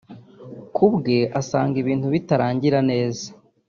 Ku bwe asanga ibintu bitarangira neza